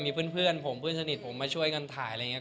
มีเพื่อนผมเพื่อนสนิทผมมาช่วยกันถ่ายอะไรอย่างนี้